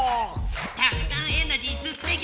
たくさんエナジーすってきな！